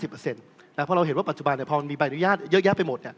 เพราะเราเห็นว่าปัจจุบันพอมันมีใบอนุญาตเยอะแยะไปหมด